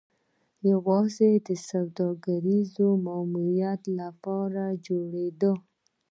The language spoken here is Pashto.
یوازې د سوداګریز ماموریت لپاره جوړېده